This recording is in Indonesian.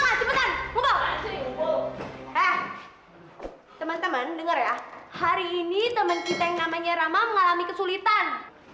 mas cepetan teman teman dengar ya hari ini teman kita yang namanya rama mengalami kesulitan